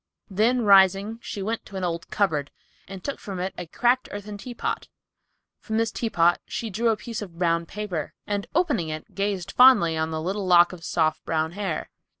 Then rising she went to an old cupboard, and took from it a cracked earthen teapot. From this teapot she drew a piece of brown paper, and opening it gazed fondly on a little lock of soft brown hair.